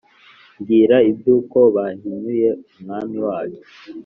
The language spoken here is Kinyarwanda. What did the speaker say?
Mbwira iby’uko bahinyuye umwami wacu